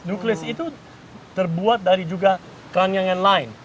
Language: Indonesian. nuklis itu terbuat dari juga keran yang lain